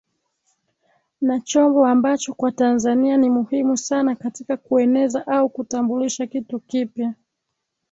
Na chombo ambacho kwa Tanzania ni muhimu sana katika kueneza au kutambulisha kitu kipya